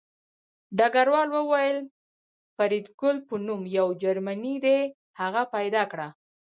ډګروال وویل فریدګل په نوم یو جرمنی دی هغه پیدا کړه